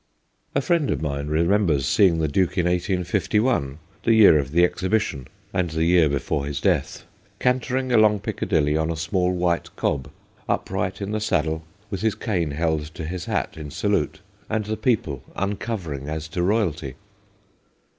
A friend of mine remembers seeing the Duke in 1851, the year of the exhibition, and the year before his death, cantering along Picca HIS SOCIETY 163 dilly on a small white cob, upright in the saddle, with his cane held to his hat in salute, and the people uncovering as to royalty.